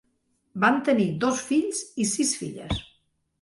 Van tenir dos fills i sis filles.